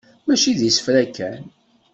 Mačči d isefra kan.